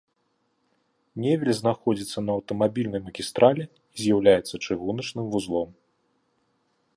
Невель знаходзіцца на аўтамабільнай магістралі і з'яўляецца чыгуначным вузлом.